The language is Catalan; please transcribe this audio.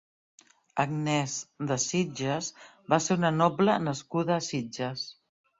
Agnès de Sitges va ser una noble nascuda a Sitges.